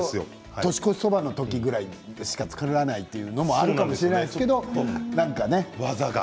毎年年越しそばの時ぐらいしか作らないということもあるかもしれないですけどね。